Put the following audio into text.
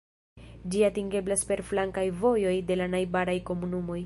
Ĝi atingeblas per flankaj vojoj de la najbaraj komunumoj.